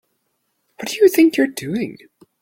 What do you think you're doing?